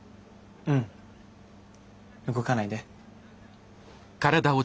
うん。動かないで。